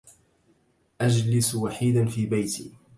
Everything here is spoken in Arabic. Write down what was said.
أجلس وحيداً في بيتي.